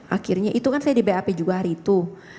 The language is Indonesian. akhirnya itu kan saya di bap juga hari itu